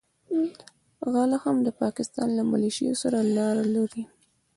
غله هم د پاکستان له مليشو سره لاره لري.